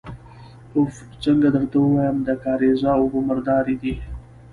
اوف! څنګه درته ووايم، د کارېزه اوبه مردارې دي.